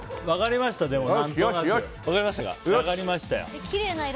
分かれましたね。